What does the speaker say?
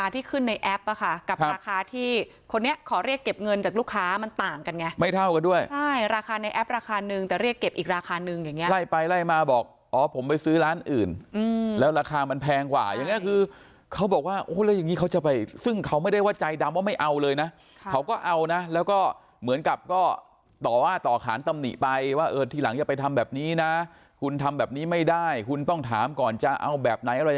ที่คนนี้ขอเรียกเก็บเงินจากลูกค้ามันต่างกันไงไม่เท่ากันด้วยใช่ราคาในแอปราคาหนึ่งแต่เรียกเก็บอีกราคาหนึ่งอย่างเงี้ยไล่ไปไล่มาบอกอ๋อผมไปซื้อร้านอื่นอืมแล้วราคามันแพงกว่าอย่างเงี้ยคือเขาบอกว่าโอ้ยอย่างงี้เขาจะไปซึ่งเขาไม่ได้ว่าใจดำว่าไม่เอาเลยนะเขาก็เอานะแล้วก็เหมือนกับก็ต่อว่า